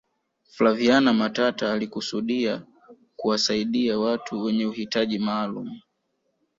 flaviana matata alikusudia kuwasaidia watu wenye uhitaji maalum